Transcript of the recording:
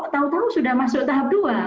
tau tau sudah masuk tahap dua